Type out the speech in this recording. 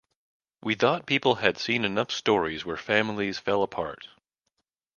We thought people had seen enough stories where families fell apart.